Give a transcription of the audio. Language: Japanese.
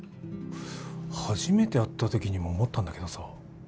初めて会った時にも思ったんだけどさ